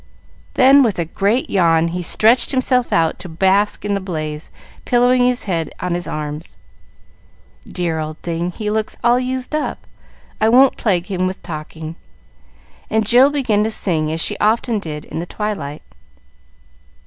Then, with a great yawn, he stretched himself out to bask in the blaze, pillowing his head on his arms. "Dear old thing, he looks all used up; I won't plague him with talking;" and Jill began to sing, as she often did in the twilight.